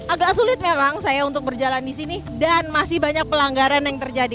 agak sulit memang saya untuk berjalan di sini dan masih banyak pelanggaran yang terjadi